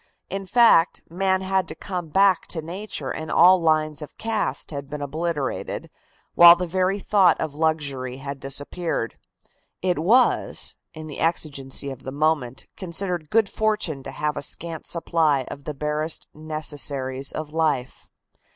In fact, man had come back to nature and all lines of caste had been obliterated, while the very thought of luxury had disappeared. It was, in the exigency of the moment, considered good fortune to have a scant supply of the barest necessaries of life.